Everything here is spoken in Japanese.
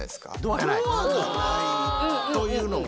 ドアがないというのは？